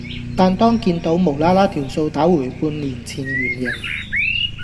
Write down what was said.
但當見倒無啦啦條數打回半年前原形